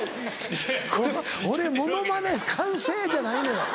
俺モノマネ完成！じゃないのよ。